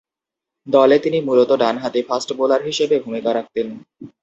দলে তিনি মূলতঃ ডানহাতি ফাস্ট বোলার হিসেবে ভূমিকা রাখতেন।